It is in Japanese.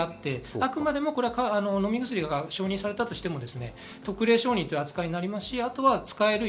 あくまで飲み薬が承認されるとしても特例承認という扱いですし、使える医